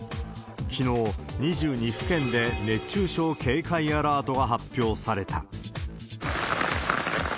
きのう、２２府県で熱中症警戒アラートが発表された。